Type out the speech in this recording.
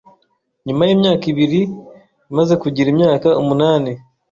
Nyuma y’imyaka ibiri , maze kugira imyaka umunani